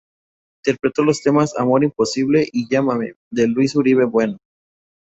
Interpretó los temas "Amor Imposible" y "Llámame" de Luis Uribe Bueno.